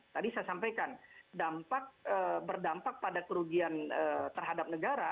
tadi saya sampaikan berdampak pada kerugian terhadap negara